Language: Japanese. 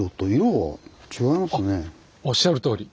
おっしゃるとおり。